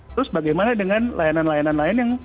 terus bagaimana dengan layanan layanan lain yang